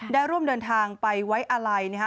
ได้ร่วมเดินทางไปไว้อาลัยนะฮะ